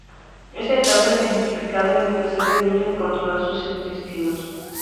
Esta etapa es ejemplificada en el placer del niño de controlar sus intestinos.